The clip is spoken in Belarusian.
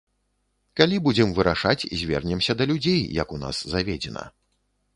Калі будзем вырашаць, звернемся да людзей, як у нас заведзена.